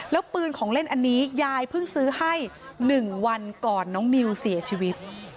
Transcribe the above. แล้วปืนของเล่นอันนี้ยายเพิ่งซื้อให้๑วันก่อนน้องนิวเสียชีวิต